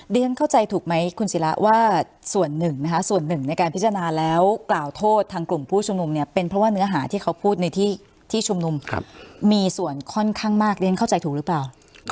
เรียนเข้าใจถูกไหมคุณศิระว่าส่วนหนึ่งนะคะส่วนหนึ่งในการพิจารณาแล้วกล่าวโทษทางกลุ่มผู้ชุมนุมเนี่ยเป็นเพราะว่าเนื้อหาที่เขาพูดในที่ชุมนุมมีส่วนค่อนข้างมากเรียนเข้าใจถูกหรือเปล่า